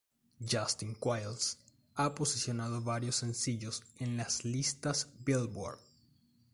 Justin Quiles ha posicionado varios sencillos en las listas Billboard.